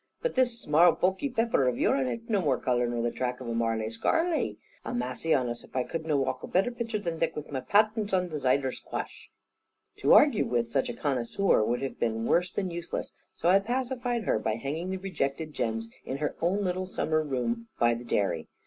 But thic smarl pokey papper of yourn ha'ant no more colour nor the track of a marly scrarly. A massy on us if I couldn't walk a better picter than thic, with my pattens on in the zider squash." To argue with such a connoisseur would have been worse than useless; so I pacified her by hanging the rejected gems in her own little summer room by the dairy.